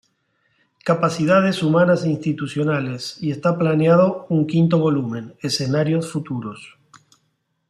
Capacidades humanas e institucionales, y está planeado un quinto volumen: Escenarios futuros.